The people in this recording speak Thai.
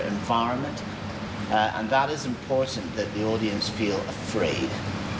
และนั่นคือสิ่งที่สำคัญที่ทุกคนกลัวเกลียด